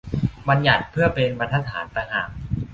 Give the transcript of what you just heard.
บัญญัติ เพื่อเป็น บรรทัดฐาน ตะหาก